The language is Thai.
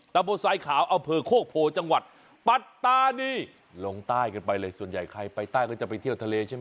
ตะบนทรายขาวอำเภอโคกโพจังหวัดปัตตานีลงใต้กันไปเลยส่วนใหญ่ใครไปใต้ก็จะไปเที่ยวทะเลใช่ไหม